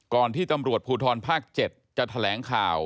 ที่ตำรวจภูทรภาค๗จะแถลงข่าว